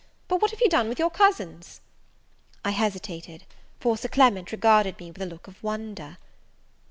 But what have you done with your cousins?" I hesitated, for Sir Clement regarded me with a look of wonder.